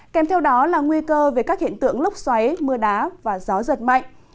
kèm theo đó là nguy cơ về các hiện tượng lốc xoáy mưa đá và gió giật mạnh